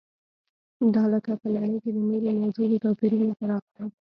دا لکه په نړۍ کې د نورو موجودو توپیرونو پراخ دی.